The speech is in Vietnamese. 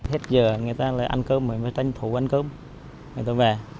hết giờ người ta lại ăn cơm mới phải tranh thủ ăn cơm người ta về